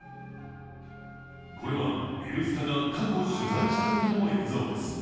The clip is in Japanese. これは「Ｎスタ」が過去取材したときの映像です。